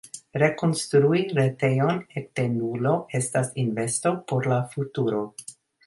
Rekonstrui retejon ekde nulo estas investo por la futuro.